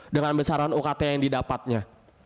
dengan besaran ukt yang didapatnya